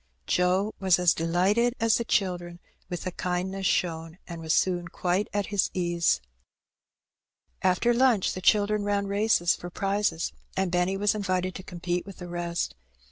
Joe was as delighted as the children with the kindness shown, and was soon quite at his ease. In the Woods. 107 After lunch tlie cMdren ran races for prizes, and Benny was invited to compete with the rest.